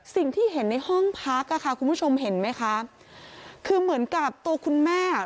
สิ่งที่เห็นในห้องพักอ่ะค่ะคุณผู้ชมเห็นไหมคะคือเหมือนกับตัวคุณแม่อ่ะ